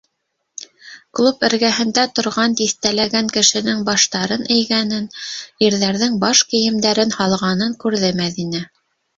Клуб эргәһендә торған тиҫтәләгән кешенең баштарын эйгәнен, ирҙәрҙең баш кейемдәрен һалғанын күрҙе Мәҙинә.